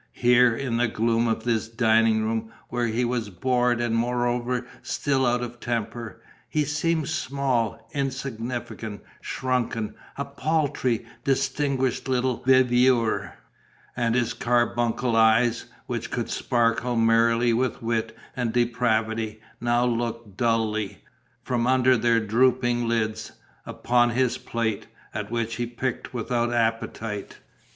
Here, in the gloom of this dining room, where he was bored and moreover still out of temper, he seemed small, insignificant, shrunken, a paltry, distinguished little viveur; and his carbuncle eyes, which could sparkle merrily with wit and depravity, now looked dully, from under their drooping lids, upon his plate, at which he picked without appetite.